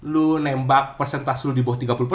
lu nembak persentase lu di bawah tiga puluh empat